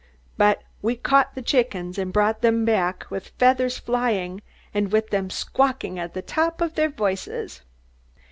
But we caught the chickens, and brought them back, with feathers flying, and with them squawking at the tops of their voices."